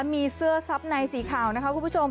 มีเสื้อซับในสีขาวนะคะคุณผู้ชม